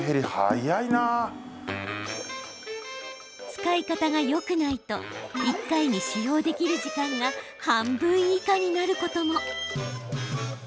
使い方がよくないと１回に使用できる時間が半分以下になることも。